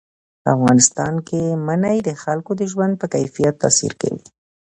په افغانستان کې منی د خلکو د ژوند په کیفیت تاثیر کوي.